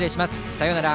さようなら。